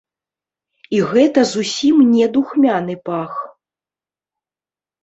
І гэта зусім не духмяны пах.